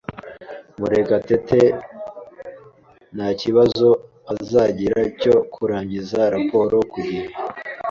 Murekatete nta kibazo azagira cyo kurangiza raporo ku gihe.